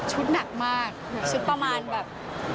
หนักมากชุดประมาณแบบ